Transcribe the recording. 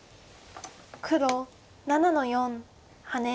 黒７の四ハネ。